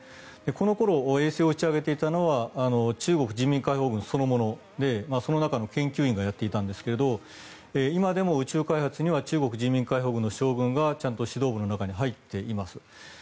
この頃衛星を打ち上げていたのは中国人民解放軍そのものでその中の研究員がやっていたんですが今でも宇宙開発には中国の人民解放軍の将軍がちゃんと指導部の中に入っています。